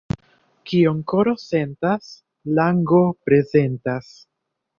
Kion koro sentas, lango prezentas.